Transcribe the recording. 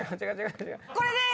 これです！